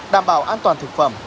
đảm bảo an toàn thực phẩm